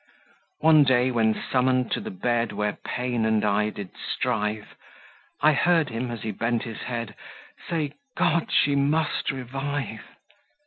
One day when summoned to the bed Where pain and I did strive, I heard him, as he bent his head, Say, "God, she must revive!"